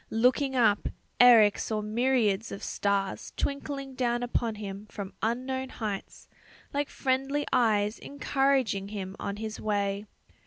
Looking up, Eric saw myriads of stars twinkling down upon him from unknown heights, like friendly eyes encouraging him on his way.